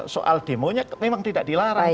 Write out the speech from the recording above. soal demonya memang tidak dilarang